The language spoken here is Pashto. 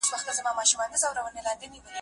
تر پنځوس کلنۍ روسته سړی دومره هوښیاريږي،